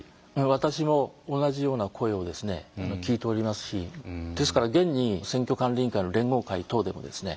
私も同じような声をですね聞いておりますしですから現に選挙管理委員会の連合会等でもですね